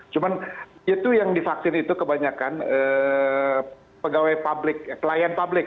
cuma itu yang divaksin itu kebanyakan pegawai publik klien publik